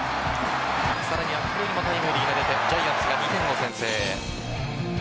さらには秋広にもタイムリーが出てジャイアンツが２点を先制。